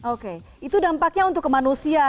oke itu dampaknya untuk ke manusia